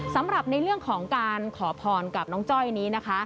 สำหรับในเรื่องของการขอพรกับน้องจ้อยนี้นะคะ